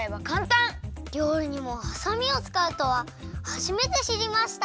りょうりにもハサミをつかうとははじめてしりました！